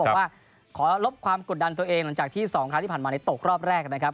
บอกว่าขอลบความกดดันตัวเองหลังจากที่๒ครั้งที่ผ่านมาในตกรอบแรกนะครับ